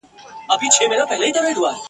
په میوند کي دوه قبرونه سم نه دي.